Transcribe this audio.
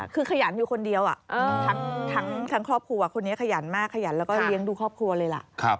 คือขยันอยู่คนเดียวทั้งครอบครัวคนนี้ขยันมากขยันแล้วก็เลี้ยงดูครอบครัวเลยล่ะ